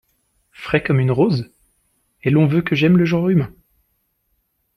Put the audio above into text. Frais comme une rose !… et l’on veut que j’aime le genre humain !